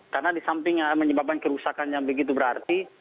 karena disamping menyebabkan kerusakan yang begitu berarti